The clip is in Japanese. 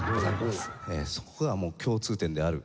そこがもう共通点である。